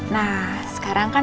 nah sekarang kan